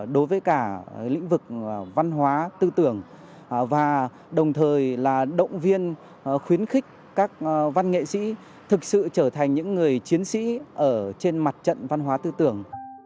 đối với cả lĩnh vực văn hóa tư tưởng và đồng thời là động viên khuyến khích các văn nghệ sĩ thực sự trở thành những người chiến sĩ ở trên mặt trận văn hóa tư tưởng